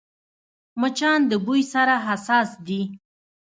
مچان د بوی سره حساس دي